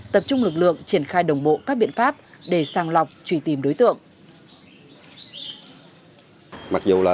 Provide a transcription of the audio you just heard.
tập trung lực lượng triển khai đồng bộ các biện pháp để sang lọc truy tìm đối tượng